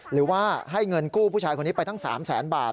หรือว่าให้เงินกู้ผู้ชายคนนี้ไปทั้ง๓แสนบาท